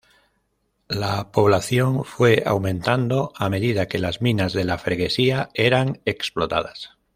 La población fue aumentando a medida que las minas de la freguesia eran explotadas.